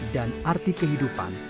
dan arti kehidupan